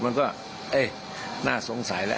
มันก็น่าสงสัยแล้ว